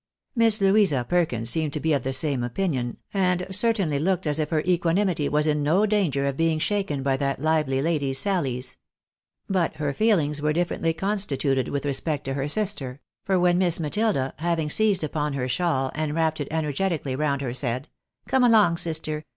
Miss Louisa Perkins seemed to be of the same opinion, and cer tainly looked as if her equanimity was in no danger of being shaken by that lively lady's sallies. JBut her feelings were differently con WHAT REASON FOR THANKFULNESS? 25 stituted with respect to her sister ; for when Miss Matilda, having seized upon her shawl, and wrapped it energetically round her said, " Come along, sister